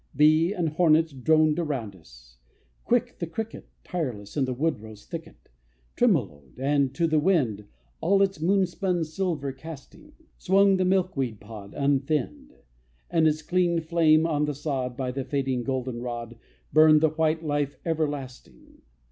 Bee and hornet Droned around us; quick the cricket, Tireless in the wood rose thicket, Tremoloed; and, to the wind All its moon spun silver casting, Swung the milk weed pod unthinned; And, its clean flame on the sod By the fading golden rod, Burned the white life everlasting.